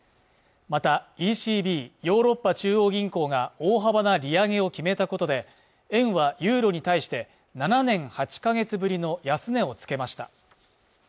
またＥＣＢ＝ヨーロッパ中央銀行が大幅な利上げを決めたことで円はユーロに対して７年８か月ぶりの安値をつけました